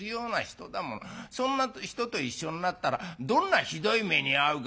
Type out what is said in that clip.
そんな人と一緒になったらどんなひどい目に遭うか」。